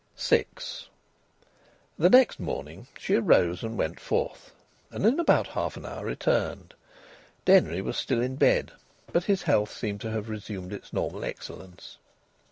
VI The next morning she arose and went forth, and in about half an hour returned. Denry was still in bed, but his health seemed to have resumed its normal excellence.